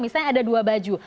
misalnya ada dua baju